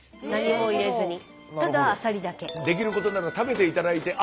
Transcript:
できることなら食べて頂いてあ